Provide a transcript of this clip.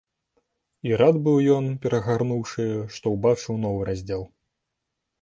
І рад быў ён, перагарнуўшы, што ўбачыў новы раздзел.